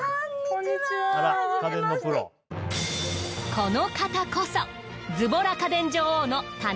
この方こそ。